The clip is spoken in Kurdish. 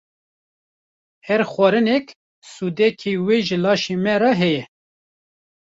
Her xwarinek sûdeke wê ji laşê me re heye.